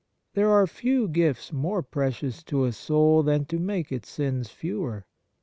There are few gifts more precious to a soul than to make its sins fewer.